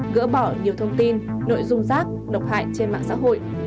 gỡ bỏ nhiều thông tin nội dung giác độc hại trên mạng xã hội